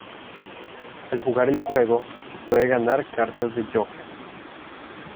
Al jugar el juego, se pueden ganar cartas de "Joker".